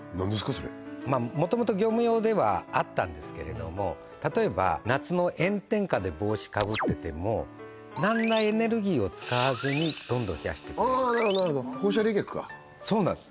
それもともと業務用ではあったんですけれども例えば夏の炎天下で帽子かぶってても何らエネルギーを使わずにどんどん冷やしてくれるなるほど放射冷却かそうなんです